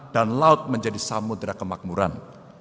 dan laut menjadi samudera kemakmuran